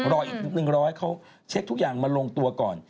รออีก๑๐๐รอให้เขาเช็คทุกอย่างมาลงตัวก่อน